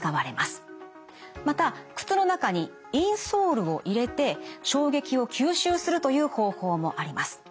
また靴の中にインソールを入れて衝撃を吸収するという方法もあります。